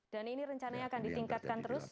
dan ini rencananya akan ditingkatkan terus